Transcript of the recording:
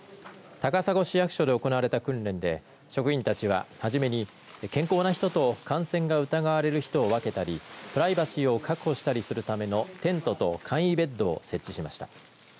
高砂市役所で行われた訓練で職員たちは初めに健康な人と感染が疑われる人を分けたりプライバシーを確保したりするためのテントと簡易ベッドを設置しました。